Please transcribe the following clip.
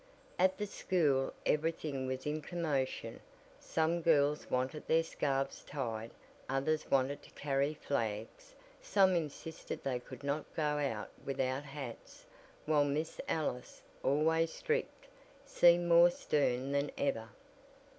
At the school everything was in commotion. Some girls wanted their scarfs tied, others wanted to carry flags, some insisted they could not go out without hats, while Miss Ellis, always strict, seemed more stern than ever.